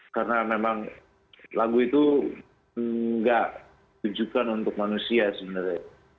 karena memang lagu itu nggak ditujukan untuk manusia sebenarnya